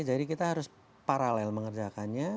jadi kita harus paralel mengerjakannya